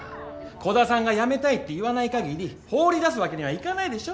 鼓田さんが辞めたいって言わない限り放り出すわけにはいかないでしょ。